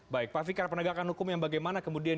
baik pak fikar penegakan hukum yang bagaimana kemudian